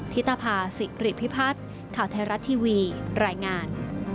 ธิตภาษิริพิพัฒน์ข่าวไทยรัฐทีวีรายงาน